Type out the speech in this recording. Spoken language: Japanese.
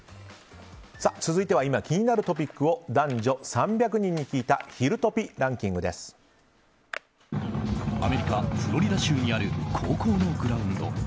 続いては今気になるトピックを男女３００人に聞いたアメリカ・フロリダ州にある高校のグラウンド。